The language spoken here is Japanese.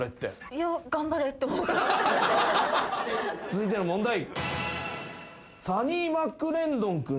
続いての問題。